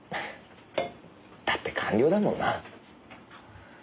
だって官僚だもんな。